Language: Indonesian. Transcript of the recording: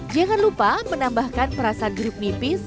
jangan lupa menambahkan perasaan jeruk nipis